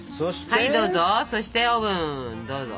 はいどうぞ。